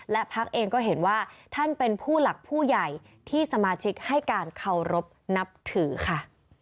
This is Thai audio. และพักเองก็เห็นว่าท่านเป็นผู้หลักผู้ใหญ่ที่สมาชิกให้การเคารพนับถือค่ะ